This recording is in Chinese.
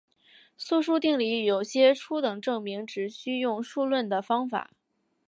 素数定理有些初等证明只需用数论的方法。